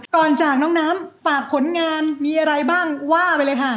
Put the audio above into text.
จากน้องน้ำฝากผลงานมีอะไรบ้างว่าไปเลยค่ะ